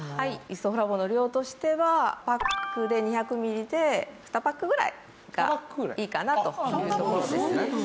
イソフラボンの量としてはパックで２００ミリで２パックぐらいがいいかなというところですね。